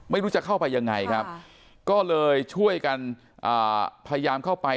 ไม่รู้จะเข้าไปยังไงครับก็เลยช่วยกันพยายามเข้าไป